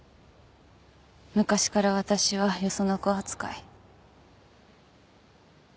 昔から私はよその子扱い。